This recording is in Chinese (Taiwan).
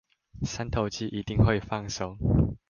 三頭肌一定會放鬆